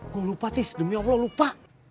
gue lupa sih demi allah lupa